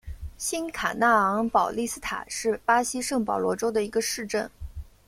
新卡纳昂保利斯塔是巴西圣保罗州的一个市镇。